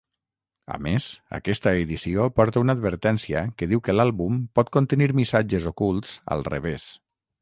A més, aquesta edició porta una advertència que diu que l'àlbum pot contenir missatges ocults al revés.